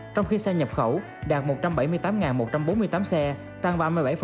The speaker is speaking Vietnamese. trong khi xe nhập khẩu đạt một trăm bảy mươi tám một trăm bốn mươi tám xe tăng ba mươi bảy